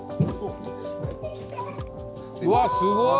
うわっすごい！